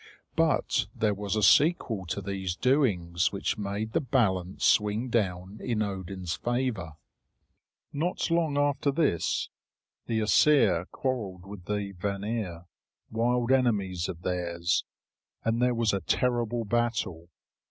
But there was a sequel to these doings which made the balance swing down in Odin's favour. Not long after this, the Æsir quarrelled with the Vanir, wild enemies of theirs, and there was a terrible battle.